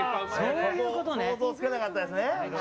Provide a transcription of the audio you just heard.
想像つかなかったですね。